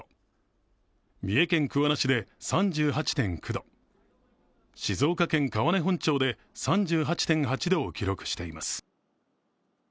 三重県桑名市で３８．９度、静岡県川根本町で３８．８度を記録しています。